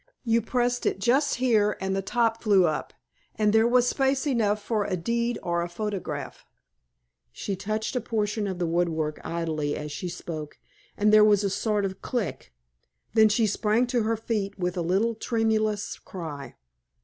You pressed it just here and the top flew up, and there was space enough for a deed or a photograph." She touched a portion of the woodwork idly as she spoke, and there was a sort of click. Then she sprang to her feet with a little tremulous cry.